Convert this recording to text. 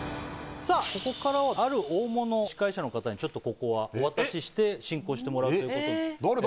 さあここからはある大物司会者の方にちょっとここはお渡しして進行してもらうっていうことに。